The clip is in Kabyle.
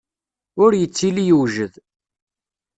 Ur yettili yewjed.